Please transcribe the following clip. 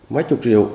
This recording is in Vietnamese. mấy chục triệu